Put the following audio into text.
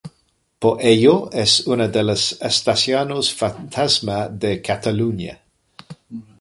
Por ello, es una de las estaciones fantasma de Cataluña.